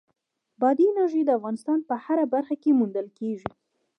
بادي انرژي د افغانستان په هره برخه کې موندل کېږي.